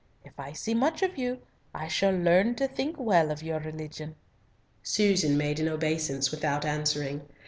If I see much of you, I shall learn to think well of your religion." Susan made an obeisance without answering.